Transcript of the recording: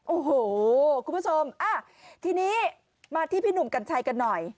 โอ้โหคุณผู้ชมทีนี้มาที่พี่หนุ่มกัญชัยกันหน่อย